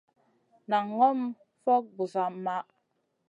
Nan ŋòm fokŋ busa maʼh.